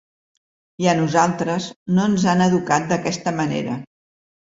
I a nosaltres no ens han educat d’aquesta manera.